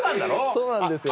そうなんですよ。